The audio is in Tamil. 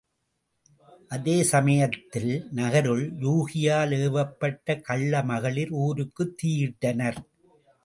அதே சமயத்தில் நகருள் யூகியால் ஏவப்பட்ட கள்ள மகளிர் ஊருக்குத் தீயிட்டனர்.